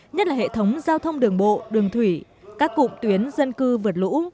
nhất là hệ thống giao thông đường bộ đường thủy các cụm tuyến dân cư vượt lũ